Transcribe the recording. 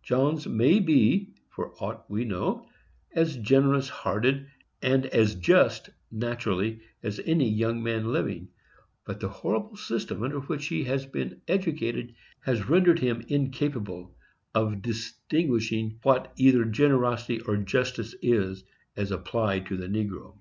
Johns may be, for aught we know, as generous hearted and as just naturally as any young man living; but the horrible system under which he has been educated has rendered him incapable of distinguishing what either generosity or justice is, as applied to the negro.